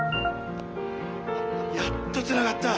「やっとつながった。